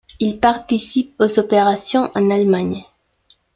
Il participe aux opérations en Allemagne.